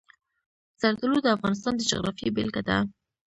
زردالو د افغانستان د جغرافیې بېلګه ده.